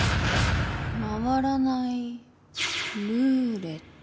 回らないルーレット？